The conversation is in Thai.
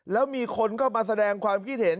แล้วมีคนก็มาแสดงความคิดเห็น